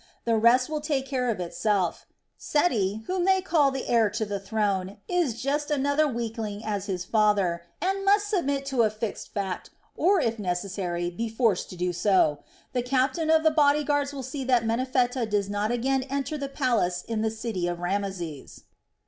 The rest will take care of itself. Seti, whom they call the heir to the throne, is just such another weakling as his father, and must submit to a fixed fact, or if necessary, be forced to do so. The captain of the body guards will see that Menephtah does not again enter the palace in the city of Rameses.